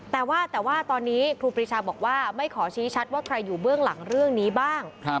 แต่ว่าแต่ว่าตอนนี้ครูปรีชาบอกว่าไม่ขอชี้ชัดว่าใครอยู่เบื้องหลังเรื่องนี้บ้าง